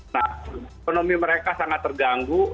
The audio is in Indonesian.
nah ekonomi mereka sangat terganggu